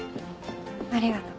ありがとう。